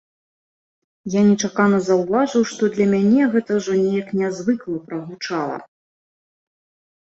Я нечакана заўважыў, што для мяне гэта ўжо неяк нязвыкла прагучала.